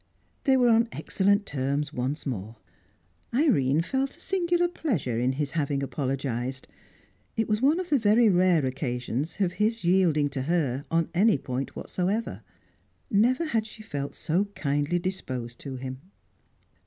They were on excellent terms once more. Irene felt a singular pleasure in his having apologised; it was one of the very rare occasions of his yielding to her on any point whatever. Never had she felt so kindly disposed to him.